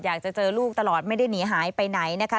อยากจะเจอลูกตลอดไม่ได้หนีหายไปไหนนะคะ